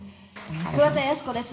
桑田靖子です。